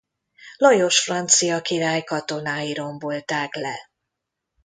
Lajos francia király katonái rombolták le.